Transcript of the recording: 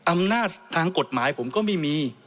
อำนาจทางกฎหมายผมก็ไม่มี